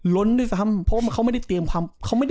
้นด้วยซ้ำเพราะว่าเขาไม่ได้เตรียมความไม่ได้